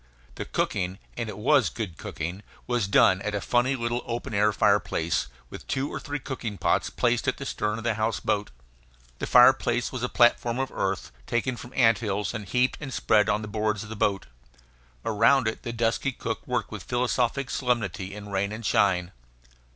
The cooking and it was good cooking was done at a funny little open air fireplace, with two or three cooking pots placed at the stern of the house boat. The fireplace was a platform of earth, taken from anthills, and heaped and spread on the boards of the boat. Around it the dusky cook worked with philosophic solemnity in rain and shine.